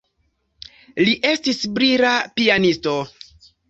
Li estis brila pianisto.